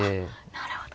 なるほど。